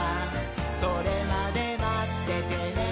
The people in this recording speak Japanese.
「それまでまっててねー！」